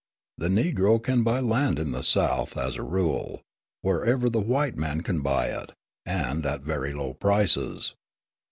The Negro can buy land in the South, as a rule, wherever the white man can buy it, and at very low prices.